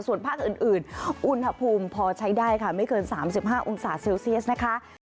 ส่วนภาคอื่นอุณหภูมิพอใช้ได้ค่ะไม่เกิน๓๕องศาเซลเซียสนะคะ